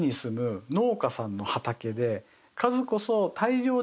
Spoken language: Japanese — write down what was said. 数こそ。